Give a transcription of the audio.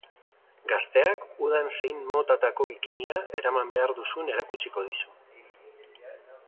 Gazteak udan zein motatako bikinia eraman behar duzun erakutsiko dizu.